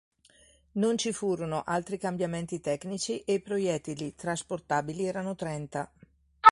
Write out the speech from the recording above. Non ci furono altri cambiamenti tecnici, e i proiettili trasportabili erano trenta.